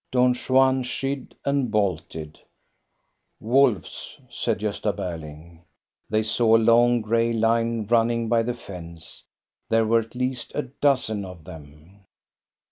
Don Juan shied and bolted. " Wolves !" said Gosta Berling. They saw a long, gray line running by the fence. There were at least a dozen of them.